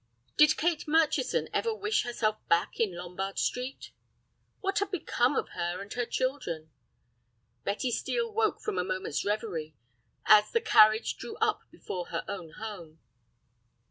Did Kate Murchison ever wish herself back in Lombard Street? What had become of her and her children? Betty Steel woke from a moment's reverie as the carriage drew up before her own home.